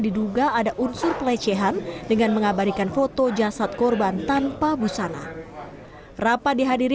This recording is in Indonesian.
diduga ada unsur pelecehan dengan mengabadikan foto jasad korban tanpa busana rapat dihadiri